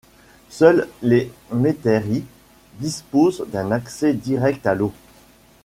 Seules les métairies disposent d'un accès direct à l'eau.